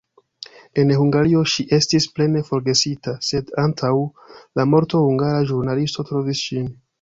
En Hungario ŝi estis plene forgesita, sed antaŭ la morto hungara ĵurnalisto trovis ŝin.